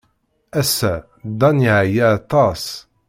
Ass-a, Dan yeɛya aṭas.